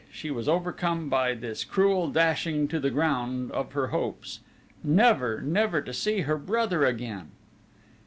She was overcome by this cruel dashing to the ground of her hopes. Never, never, to see her brother again!